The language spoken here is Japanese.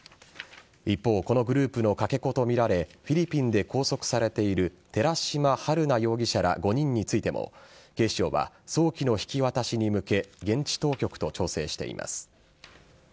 一方このグループのかけ子とみられフィリピンで拘束されている寺島春奈容疑者ら５人についても警視庁は、早期の引き渡しに向け現地当局と調整しています。